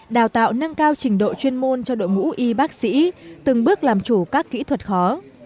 đào tạo nâng cao trình độ chuyên môn cho đội ngũ y bác sĩ từng bước làm chủ các kỹ thuật khó